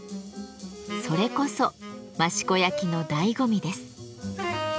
それこそ益子焼のだいご味です。